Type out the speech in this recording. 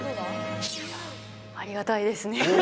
ありがたいですね。